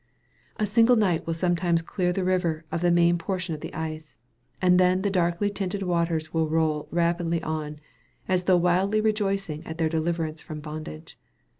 A single night will sometimes clear the river of the main portion of the ice, and then the darkly tinted waters will roll rapidly on, as though wildly rejoicing at their deliverance from bondage.